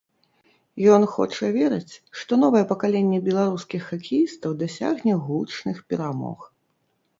Ён хоча верыць, што новае пакаленне беларускіх хакеістаў дасягне гучных перамог.